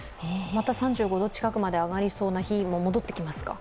また３５度近くまで上がりそうな日も戻ってきますか？